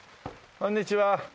こんにちは。